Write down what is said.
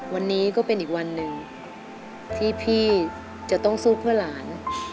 วันนี้ก็เป็นอีกวันหนึ่งที่พี่จะต้องสู้เพื่อหลาน